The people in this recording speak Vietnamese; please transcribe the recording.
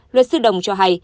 luật sư đồng cho hay